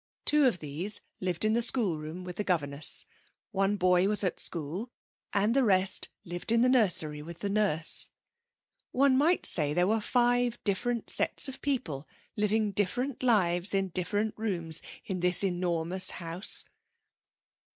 Two of these lived in the schoolroom with the governess, one boy was at school, and the rest lived in the nursery with the nurse. One might say there were five different sets of people living different lives in different rooms, in this enormous house.